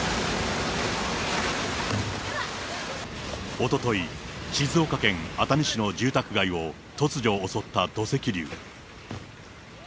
おととい、静岡県熱海市の住宅街を突如襲った土石流。